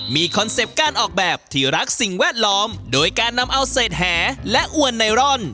มีคอนเซ็ปต์การออกแบบที่รักสิ่งแวดล้อมโดยการนำเอาเศษแหและอวนไนรอน